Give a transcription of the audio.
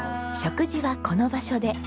食事はこの場所で。